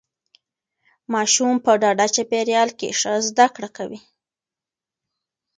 ماشوم په ډاډه چاپیریال کې ښه زده کړه کوي.